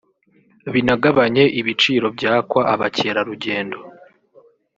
binagabanye ibiciro byakwa abakerarugendo